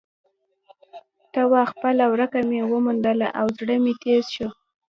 ته وا خپله ورکه مې وموندله او زړه مې تیز شو.